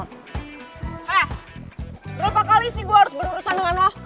hah berapa kali sih gue harus berurusan dengan lo